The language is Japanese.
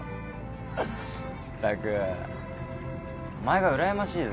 ったくお前がうらやましいぜ。